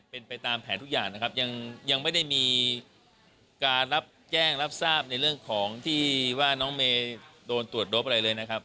เป็นไปตามแผนทุกอย่างนะครับยังไม่ได้มีการรับแจ้งรับทราบในเรื่องของที่ว่าน้องเมย์โดนตรวจรบอะไรเลยนะครับ